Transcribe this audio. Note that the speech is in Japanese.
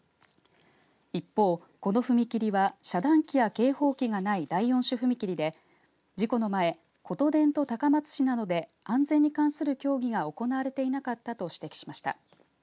一方、この踏切は遮断機や警報機がない第４種踏切で事故の前、ことでんと高松市などで安全に関する協議が行われていなかったと指摘しました。